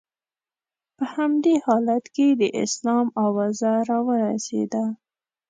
په همدې حالت کې د اسلام اوازه را ورسېده.